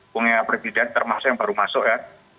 bunga yang baru masuk ya